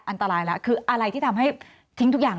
อันตรายแล้วคืออะไรที่ทำให้ทิ้งทุกอย่าง